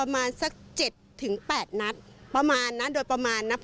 ปังน่าจะประมาณ๗๘นัดประมาณนัดโดยประมาณนัด